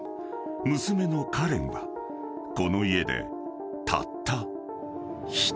［娘のカレンはこの家でたった一人］